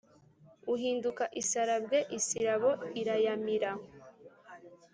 Uhinduka isarabwe isirabo iriyamira